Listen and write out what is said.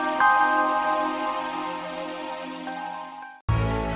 sekian waktu berpisah